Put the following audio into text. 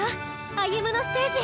歩夢のステージ！